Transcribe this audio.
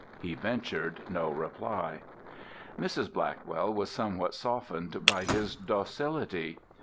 He ventured no reply. Mrs. Blackwell was somewhat softened by his docility.